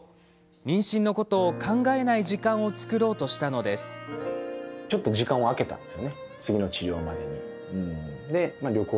妊娠のことを考えない時間を作ろうとしたのです。